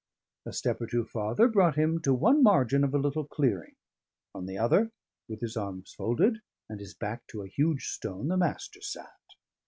A step or two farther brought him to one margin of a little clearing; on the other, with his arms folded and his back to a huge stone, the Master sat.